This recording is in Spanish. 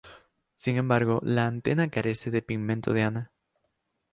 Sin embargo, la antena carece de pigmento diana.